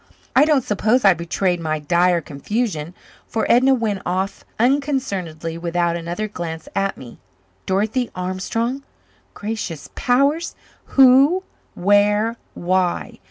I don't suppose I betrayed my dire confusion, for Edna went off unconcernedly without another glance at me. Dorothy Armstrong! Gracious powers who where why?